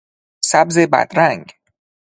سبز بدرنگ